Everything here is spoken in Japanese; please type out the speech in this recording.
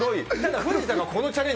藤田がこのチャレンジ